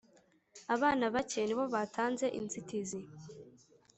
abana bake ni bo batanze inzitizi!